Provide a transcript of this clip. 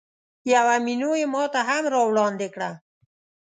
یوه مینو یې ماته هم راوړاندې کړه.